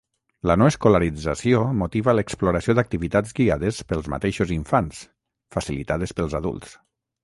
La no escolarització motiva l'exploració d'activitats guiades pels mateixos infants, facilitades pels adults.